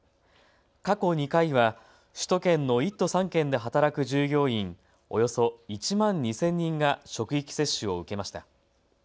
過去２回は首都圏の１都３県で働く従業員、およそ１万２０００人が職域接種を受けました。